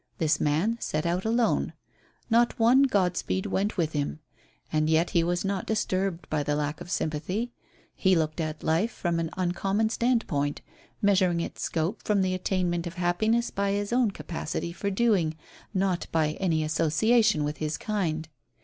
This man set out alone. Not one God speed went with him. And yet he was not disturbed by the lack of sympathy. He looked at life from an uncommon standpoint, measuring its scope for the attainment of happiness by his own capacity for doing, not by any association with his kind.